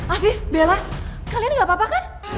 afif bella kalian gak apa apa kan